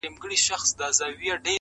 په نارو یو له دنیا له ګاونډیانو٫